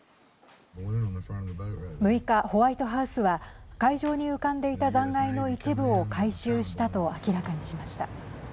６日、ホワイトハウスは海上に浮かんでいた残骸の一部を回収したと明らかにしました。